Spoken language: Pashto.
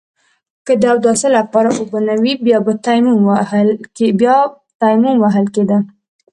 که د اوداسه لپاره اوبه نه وي بيا به تيمم وهل کېده.